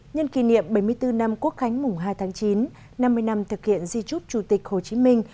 nhân kỷ niệm bảy mươi bốn năm quốc khánh mùng hai tháng chín năm mươi năm thực hiện di trúc chủ tịch hồ chí minh